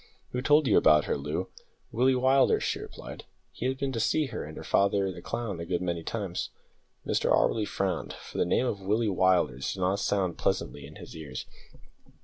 "Who told you about her, Loo?" "Willie Willders," she replied, "he has been to see her and her father the clown a good many times." Mr Auberly, frowned, for the name of Willie Willders did not sound pleasantly in his ears.